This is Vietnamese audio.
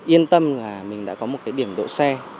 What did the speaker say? yên tâm là mình đã có một cái điểm đỗ xe